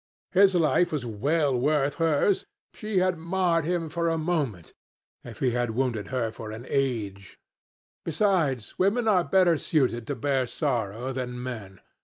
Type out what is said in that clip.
His life was well worth hers. She had marred him for a moment, if he had wounded her for an age. Besides, women were better suited to bear sorrow than men.